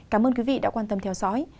cảm ơn quý vị đã quan tâm theo dõi